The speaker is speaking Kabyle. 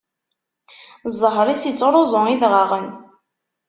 Zzheṛ-is ittṛuẓu idɣaɣen.